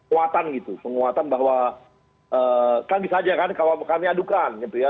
kuatan gitu penguatan bahwa kan bisa aja kan kalau kami adukan gitu ya